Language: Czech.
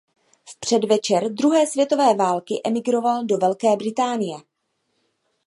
V předvečer druhé světové války emigroval do Velké Británie.